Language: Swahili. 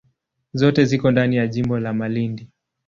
Zote ziko ndani ya jimbo la Malindi.